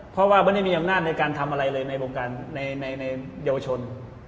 เพราะว่าไม่ได้มีอำนาจในการทำอะไรเลยในวงการในเยาวชน